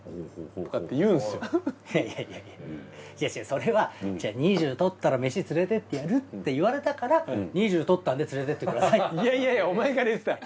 いやいやいやそれは２０取ったら飯連れてってやるって言われたから２０取ったんで連れてってくださいって。